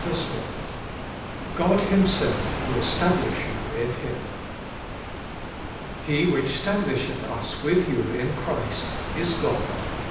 ABIDE IN CHKIST GOD HIMSELF WILL STABLISH YOU IN HIM. 'He which stablisheth us with you in Christ, is God.